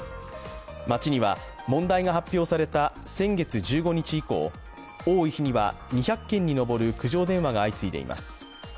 町には、問題が発表された先月１５日以降、多い日には２００件に上る苦情電話が相次いでいます。